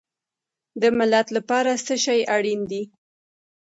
د ملت لپاره څه شی اړین دی؟